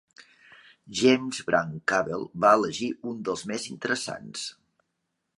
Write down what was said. James Branch Cabell va elegir un dels més interessants.